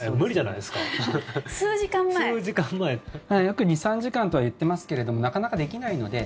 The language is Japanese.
よく２３時間とは言ってますけれどもなかなかできないので。